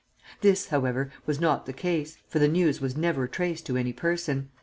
This, however, was not the case, for the news was never traced to any person."